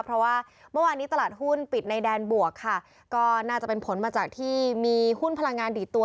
เพราะว่าเมื่อวานนี้ตลาดหุ้นปิดในแดนบวกค่ะก็น่าจะเป็นผลมาจากที่มีหุ้นพลังงานดีดตัว